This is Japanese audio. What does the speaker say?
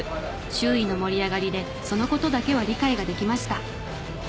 周囲の盛り上がりでその事だけは理解ができました。